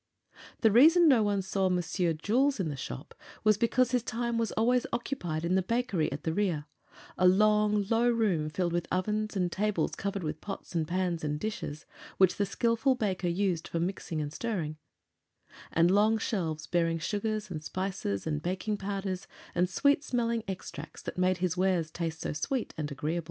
The reason no one saw Monsieur Jules in the shop was because his time was always occupied in the bakery in the rear a long, low room filled with ovens and tables covered with pots and pans and dishes (which the skillful baker used for mixing and stirring) and long shelves bearing sugars and spices and baking powders and sweet smelling extracts that made his wares taste so sweet and agreeable.